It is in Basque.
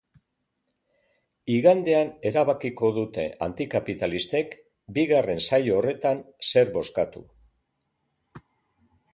Igandean erabakiko dute antikapitalistek bigarren saio horretan zer bozkatu.